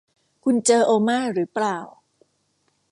คุณเจอโอมาหรือเปล่า